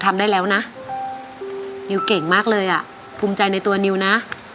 ทำได้แล้วน่ะผู้ตายในตัวนิวนะ